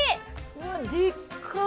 うわでっかい。